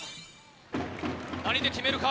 何で決めるか。